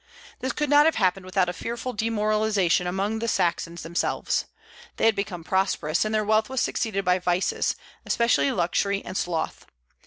This could not have happened without a fearful demoralization among the Saxons themselves. They had become prosperous, and their wealth was succeeded by vices, especially luxury and sloth.